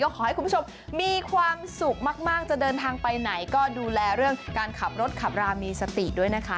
ขอให้คุณผู้ชมมีความสุขมากจะเดินทางไปไหนก็ดูแลเรื่องการขับรถขับรามีสติด้วยนะคะ